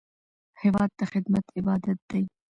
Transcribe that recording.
هېواد ته خدمت عبادت دی